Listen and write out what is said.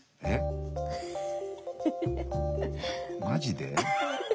マジで？